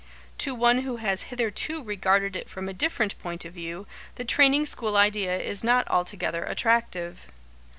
To one who has hitherto regarded it from a different point of view, the training school idea is not altogether attractive.